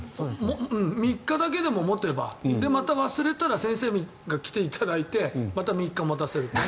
３日だけでも持てばまた忘れたら先生が来ていただいてまた３日持たせるという。